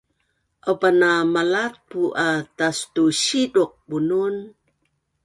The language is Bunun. Aupa na malatpu’ a tastusiduq bunun